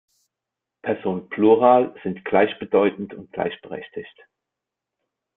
Person Plural sind gleichbedeutend und gleichberechtigt.